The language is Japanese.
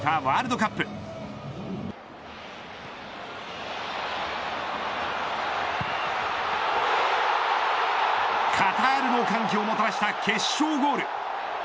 カタールの歓喜をもたらした決勝ゴール。